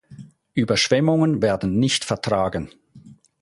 Überschwemmungen werden nicht vertragen.